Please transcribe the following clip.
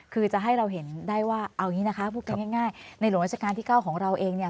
คือจะให้เราเห็นได้ว่าเอาอย่างนี้นะคะพูดกันง่ายในหลวงราชการที่๙ของเราเองเนี่ย